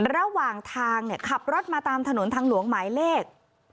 ระหว่างทางขับรถมาตามถนนทางหลวงหมายเลข